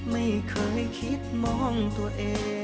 ไม่เคยคิดมองตัวเอง